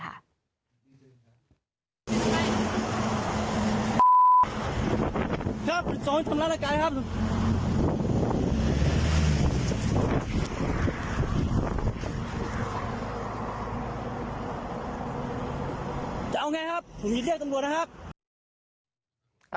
จะเอาไงครับผมจะเรียกจังหวัดนะครับ